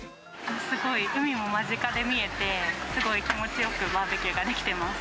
すごい海も間近で見えて、すごい気持ちよくバーベキューができています。